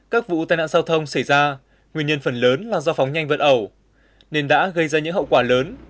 các vụ tai nạn giao thông xảy ra nguyên nhân phần lớn là do phóng nhanh vượt ẩu nên đã gây ra những hậu quả lớn